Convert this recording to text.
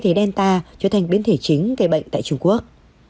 biến thể delta trở thành biến thể chính gây bệnh tại trung quốc